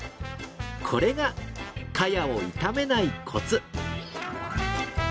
これがカヤを傷めないコツ。